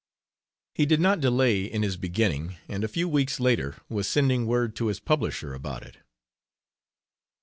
He did not delay in his beginning, and a few weeks later was sending word to his publisher about it.